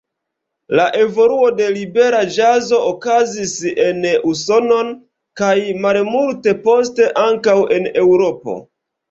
La evoluo de libera ĵazo okazis en Usonon kaj malmulte poste ankaŭ en Eŭropo.